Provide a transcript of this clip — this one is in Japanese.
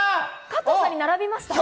加藤さんと並びました。